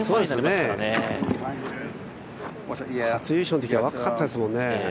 初優勝のときは若かったですからね。